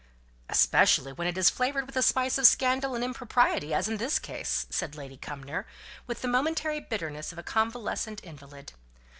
"Especially when it is flavoured with a spice of scandal and impropriety, as in this case," said Lady Cumnor, with the momentary bitterness of a convalescent invalid.